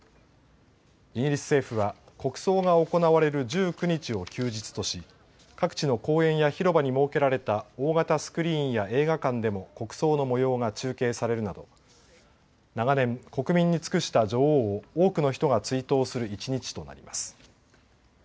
イギリス政府は国葬が行われる１９日を休日とし各地の公園や広場に設けられた大型スクリーンや映画館でも国葬のもようが中継されるなど長年、国民に尽くした女王を多くの人が追悼する一日となります。